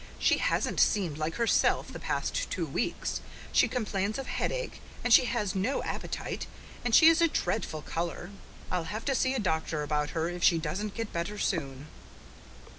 "She hasn't seemed like herself the past two weeks. She complains of headache, and she has no appetite, and she is a dreadful colour. I'll have to see a doctor about her if she doesn't get better soon."